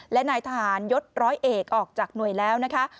และนายทหารยศร้อยเอกออกจากหน่วยแล้วนะคะ